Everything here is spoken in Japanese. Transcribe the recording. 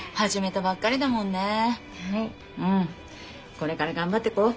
これから頑張っていこう。